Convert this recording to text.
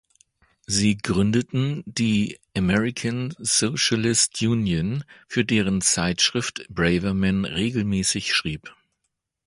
Sie gründeten die "American Socialist Union", für deren Zeitschrift Braverman regelmäßig schrieb.